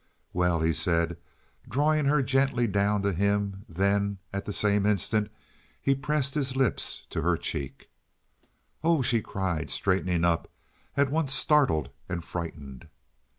"Well," he said, drawing her gently down to him; then, at the same instant, he pressed his lips to her cheek. "Oh!" she cried, straightening up, at once startled and frightened.